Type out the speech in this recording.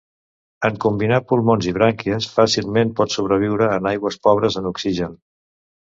En combinar pulmons i brànquies fàcilment pot sobreviure en aigües pobres en oxigen.